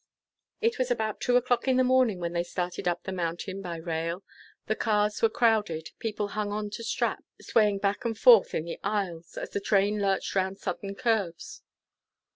It was about two o'clock in the morning when they started up the mountain by rail. The cars were crowded. People hung on the straps, swaying back and forth in the aisles, as the train lurched around sudden curves.